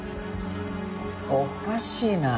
おかしいな。